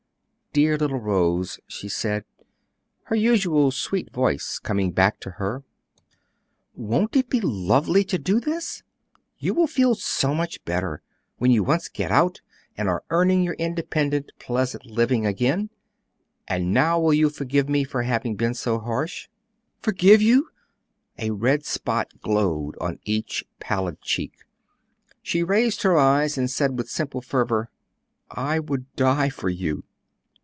"Dear little Rose," she said, her usual sweet voice coming back to her, "won't it be lovely to do this? You will feel so much better when you once get out and are earning your independent, pleasant living again. And now will you forgive me for having been so harsh?" "Forgive you!" A red spot glowed on each pallid cheek; she raised her eyes and said with simple fervor, "I would die for you."